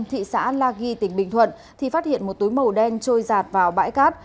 thị xã la ghi tỉnh bình thuận thì phát hiện một túi màu đen trôi giạt vào bãi cát